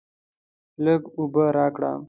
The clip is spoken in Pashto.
لږ اوبه راکړه.